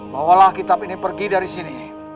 bawalah kitab ini pergi dari sini